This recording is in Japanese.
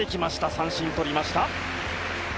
三振とりました